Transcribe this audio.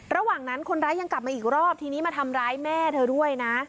ระหว่างนั้นคนร้ายยังกลับมาอีกรอบทีนี้มาทำร้ายแม่เธอด้วยนะ